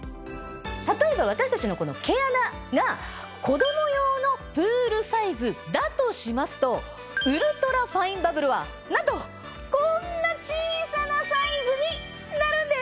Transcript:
例えば私たちのこの毛穴が子ども用のプールサイズだとしますとウルトラファインバブルは何とこんな小さなサイズになるんです。